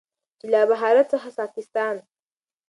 چې له بهارت څخه ساکستان،